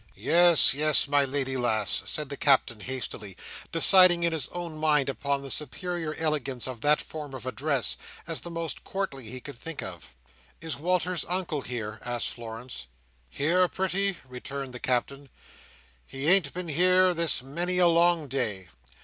"Yes, yes, my lady lass," said the Captain, hastily deciding in his own mind upon the superior elegance of that form of address, as the most courtly he could think of. "Is Walter's Uncle here?" asked Florence. "Here, pretty?" returned the Captain. "He ain't been here this many a long day.